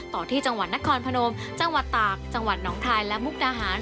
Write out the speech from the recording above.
ต่อที่จังหวัดนครพนมจังหวัดตากจังหวัดน้องคายและมุกดาหาร